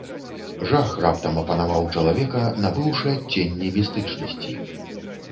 Жах раптам апанаваў чалавека, набыўшы адценні містычнасці.